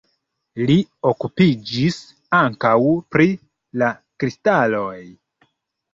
Li okupiĝis ankaŭ pri la kristaloj.